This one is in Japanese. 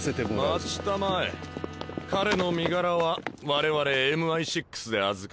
・待ちたまえ・彼の身柄は我々ＭＩ６で預かる。